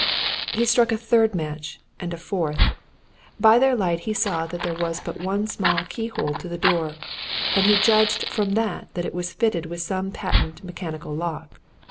He struck a third match and a fourth. By their light he saw there was but one small keyhole to the door, and he judged from that that it was fitted with some patent mechanical lock.